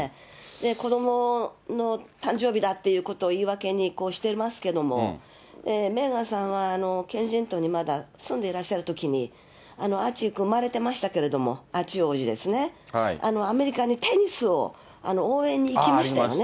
子どもの誕生日だっていうことを言い訳にしてますけど、メーガンさんは、ケンジントンにまだ住んでいらっしゃるときに、アーチーくん、生まれてましたけど、アーチー王子ですね、アメリカにテニスを応援に行きましたよね。